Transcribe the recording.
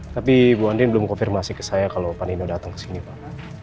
tapi bu andin belum konfirmasi ke saya kalo pandino datang ke sini pak